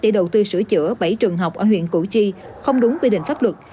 để đầu tư sửa chữa bảy trường học ở huyện củ chi không đúng quy định pháp luật